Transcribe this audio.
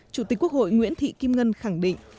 chủ tịch quốc hội nguyễn thị kim ngân khẳng định